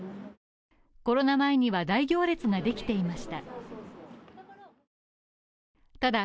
コロナ前には大行列ができていました。